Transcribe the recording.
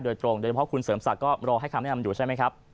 โดยตรงโดยเฉพาะคุณเสริมศักดิ์ก็รอให้คำแนะนำอยู่ใช่ไหมครับ